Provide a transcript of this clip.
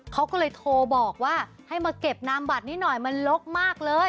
เขาก็เลยโทรบอกว่าให้มาเก็บนามบัตรนี้หน่อยมันลกมากเลย